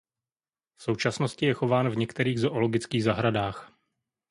V současnosti je chován v některých zoologických zahradách.